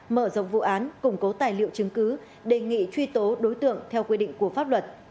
mở rộng vụ án củng cố tài liệu chứng cứ đề nghị truy tố đối tượng theo quy định của pháp luật